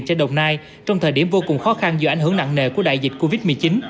cho đồng nai trong thời điểm vô cùng khó khăn do ảnh hưởng nặng nề của đại dịch covid một mươi chín